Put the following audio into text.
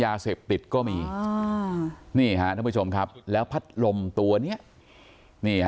ยาเสพติดก็มีอ่านี่ฮะท่านผู้ชมครับแล้วพัดลมตัวเนี้ยนี่ฮะ